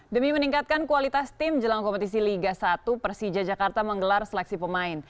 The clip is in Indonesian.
demi meningkatkan kualitas tim jelang kompetisi liga satu persija jakarta menggelar seleksi pemain